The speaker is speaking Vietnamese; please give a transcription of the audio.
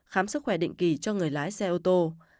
khám sức khỏe định kỳ cho người lái xe ô tô